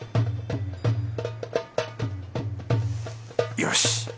よし。